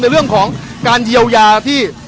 เรื่องของการเยียวยาที่